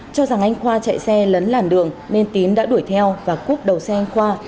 cho rằng anh khoa chạy xe lấn làn đường nên tín đã đuổi theo và cuốc đầu xe anh khoa